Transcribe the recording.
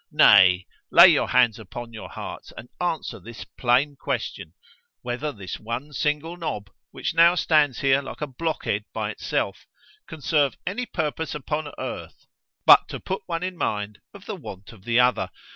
——nay, lay your hands upon your hearts, and answer this plain question, Whether this one single knob, which now stands here like a blockhead by itself, can serve any purpose upon earth, but to put one in mind of the want of the other?